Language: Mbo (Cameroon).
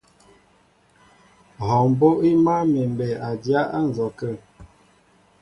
Hɔɔ mbó' í máál mi mbey a dyá á nzɔkə íshyə̂.